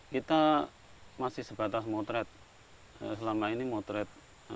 kita masih sebatas motret selama ini motret